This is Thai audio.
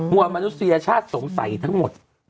มวลมนุษยชาติสงสัยทั้งหมด